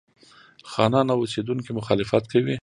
خانان او اوسېدونکي مخالفت کوي.